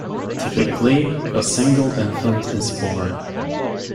Typically, a single infant is born.